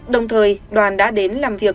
đồng thời đoàn đã đến làm việc